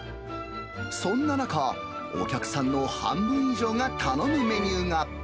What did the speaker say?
そんな中、お客さんの半分以上が頼むメニューが。